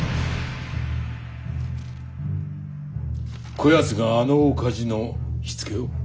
こやつがあの大火事の火付けを？